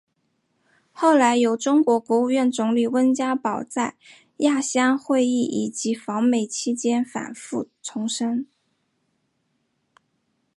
后来有中国国务院总理温家宝在亚细安会议以及访美期间反复重申。